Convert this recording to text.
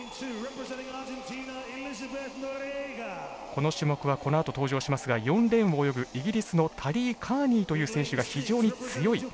この種目はこのあと登場しますが４レーンを泳ぐイギリスのタリー・カーニーという選手が非常に強い。